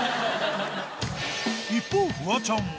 一方、フワちゃんは。